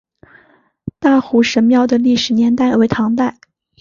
大湖神庙的历史年代为唐代。